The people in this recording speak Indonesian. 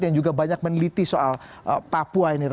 yang juga banyak meneliti soal papua ini